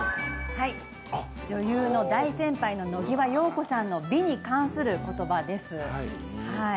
女優の大先輩の野際陽子さんの美に関する言葉です。